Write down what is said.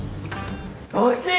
おいしい！